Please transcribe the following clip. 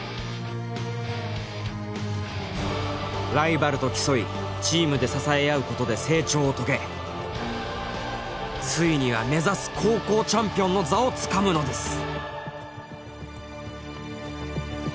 ライバルと競いチームで支え合うことで成長を遂げついには目指す高校チャンピオンの座をつかむのです。